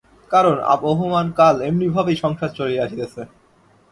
কারণ, আবহমানকাল এমনি ভাবেই সংসার চলিয়া আসিতেছে।